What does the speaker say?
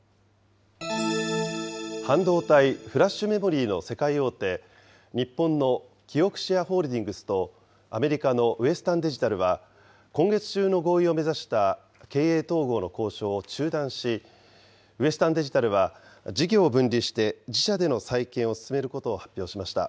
半導体・フラッシュメモリーの世界大手、日本のキオクシアホールディングスとアメリカのウエスタンデジタルは、今月中の合意を目指した経営統合の交渉を中断し、ウエスタンデジタルは事業を分離して自社での再建を進めることを発表しました。